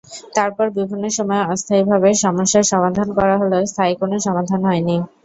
তারপর বিভিন্ন সময়ে অস্থায়ীভাবে সমস্যার সমাধান করা হলেও স্থায়ী কোনো সমাধান হয়নি।